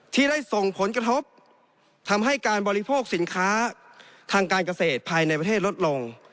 ที่ได้ส่งผลกระทบทำให้การบริโภคสินค้าทางการเกษตรภายในประเทศลดลง